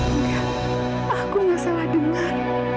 enggak aku gak salah dengar